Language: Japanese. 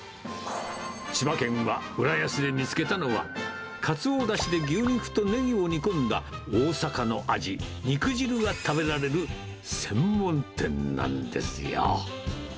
千葉県は浦安で見つけたのは、かつおだしで牛肉とねぎを煮込んだ大阪の味、肉じるが食べられる専門店なんですよ。